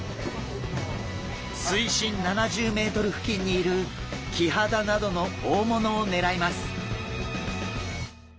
水深７０ｍ付近にいるキハダなどの大物を狙います。